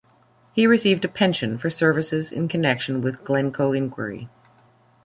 He received a pension for services in connection with Glencoe inquiry.